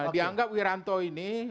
dianggap wiranto ini